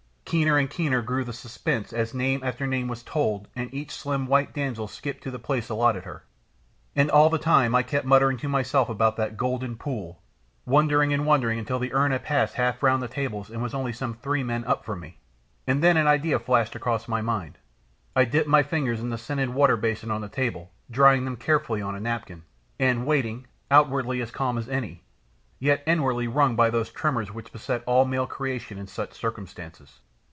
Keener and keener grew the suspense as name after name was told and each slim white damsel skipped to the place allotted her. And all the time I kept muttering to myself about that "golden pool," wondering and wondering until the urn had passed half round the tables and was only some three men up from me and then an idea flashed across my mind. I dipped my fingers in the scented water basin on the table, drying them carefully on a napkin, and waiting, outwardly as calm as any, yet inwardly wrung by those tremors which beset all male creation in such circumstances.